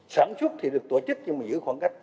sản xuất thì được tổ chức nhưng mà giữ khoảng cách